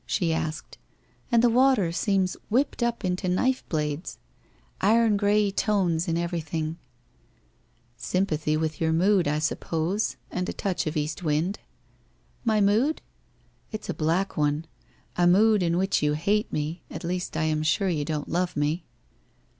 she asked, ' and the water seems whipped up into knife blades ? Iron grey tones in everything !'' Sympathy with your mood, I suppose, and a touch of east wind.' ' My mood ?'' It's a black one. A mood in which you hate me, at least, I am sure you don't love me.'